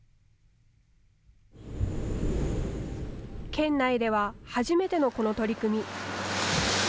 県内では初めての、この取り組み。